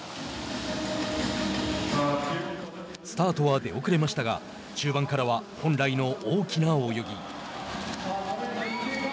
スタートは出遅れましたが中盤からは本来の大きな泳ぎ。